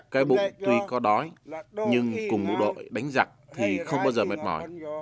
cái bụng tuy có đói nhưng cùng bộ đội đánh giặc thì không bao giờ mệt mỏi